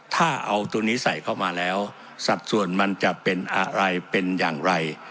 ถ้าเอาตัวนี้ใส่เข้ามาแล้วสัดส่วนมันจะเป็นอะไรเป็นอย่างไร